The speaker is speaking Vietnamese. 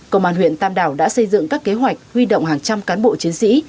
công an huyện tam đảo đã xây dựng các kế hoạch huy động hàng trăm cán bộ chiến sĩ